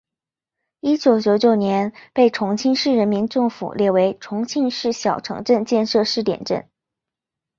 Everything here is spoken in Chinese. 一九九九年被重庆市人民政府列为重庆市小城镇建设试点镇。